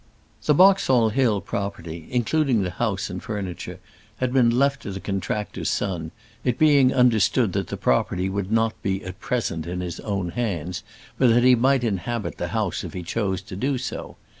The Boxall Hill property, including the house and furniture, had been left to the contractor's son; it being understood that the property would not be at present in his own hands, but that he might inhabit the house if he chose to do so.